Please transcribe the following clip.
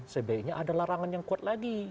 sebaiknya ada larangan yang kuat lagi